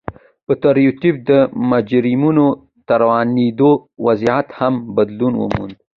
پر مریتوب د مجرمینو تورنېدو وضعیت هم بدلون وموند.